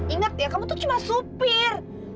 ingat ya kamu tuh cuma supir